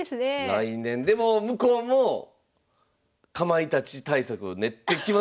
来年でも向こうもかまいたち対策を練ってきますしね。